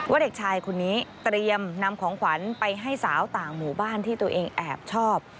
เด็กชายคนนี้เตรียมนำของขวัญไปให้สาวต่างหมู่บ้านที่ตัวเองแอบชอบ